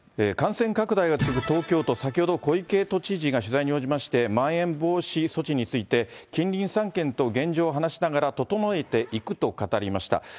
感染拡大が続く東京都、先ほど小池都知事が取材に応じまして、まん延防止措置について、近隣３県と現状を話しながら整えていくと語りました。